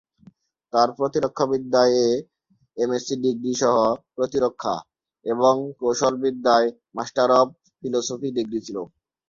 তার প্রতিরক্ষাবিদ্যায় এ এমএসসি ডিগ্রী সহ প্রতিরক্ষা এবং কৌশলবিদ্যায় মাস্টার অব ফিলোসফি ডিগ্রী ছিলো।